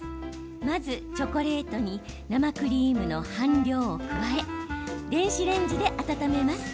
まずチョコレートに生クリームの半量を加え電子レンジで温めます。